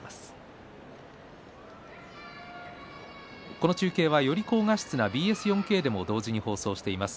この中継は、より鮮明なＢＳ４Ｋでも同時放送しています。